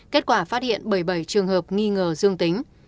kết quả phát hiện bảy mươi bảy trường hợp nghi ngờ dương tính